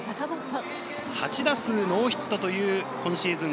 ８打数ノーヒットという今シーズン